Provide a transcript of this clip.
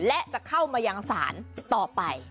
และจะเข้ามายังศาลต่อไป